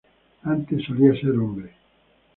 Antes solía ser hombre.